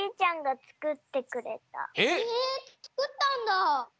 えっ！？へえつくったんだ！